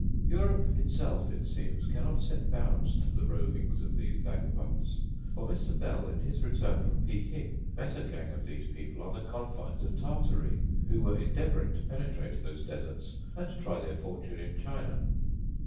Europe itself, it seems, cannot set bounds to the rovings of those vagabonds; for Mr. Bell, in his return from Peking, met a gang of these people on the confines of Tartary, who were endeavouring to penetrate those deserts and try their fortune in China.